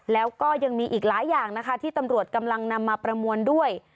แล้วก็ยังมีอีกหลายอย่างนะคะที่ตำรวจกำลังนำมาประมวลด้วย